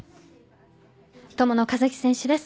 友野一希選手です。